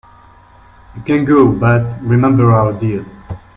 You can go, but remember our deal.